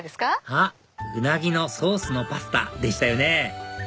あっウナギのソースのパスタでしたよね